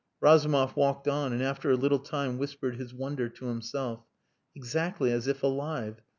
Razumov walked on and after a little time whispered his wonder to himself. "Exactly as if alive!